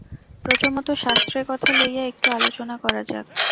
প্রথমত শাস্ত্রের কথা লইয়া একটু আলোচনা করা যাক।